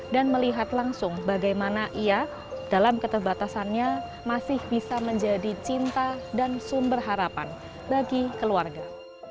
dan melihat langsung bagaimana ia dalam keterbatasannya masih bisa menjadi cinta dan sumber harapan bagi keluarga